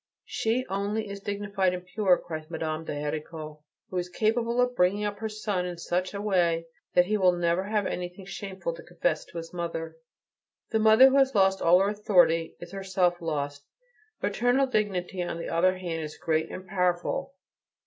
"She only is dignified and pure," cries Madame de Héricourt, "who is capable of bringing up her son in such a way that he will never have anything shameful to confess to his mother." The mother who has lost all her authority is herself lost. Maternal dignity, on the other hand, is great and powerful.